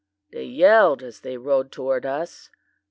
They yelled as they rode toward us.